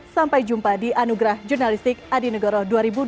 sampai jumpa di anugerah jurnalistik adi negoro dua ribu dua puluh